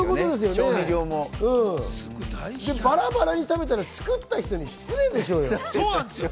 バラバラに食べたら作った人に失礼でしょうよ。